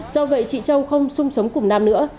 do vậy chị châu không sung cùng nam nữa